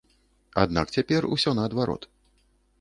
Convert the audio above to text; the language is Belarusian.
Аднак цяпер усё наадварот.